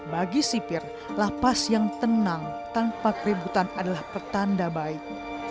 bagi sipir lapas yang tenang tanpa keributan adalah pertanda baik